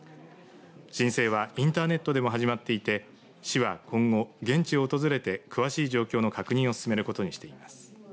申請はインターネットでも始まっていて市は今後、現地を訪れて詳しい状況の確認を進めることにしています。